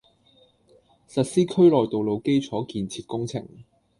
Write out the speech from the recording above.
實施區內道路基礎建設工程